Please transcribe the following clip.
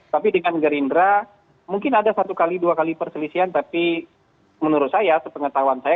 tapi dengan gerindra mungkin ada satu kali dua kali perselisihan tapi menurut saya sepengetahuan saya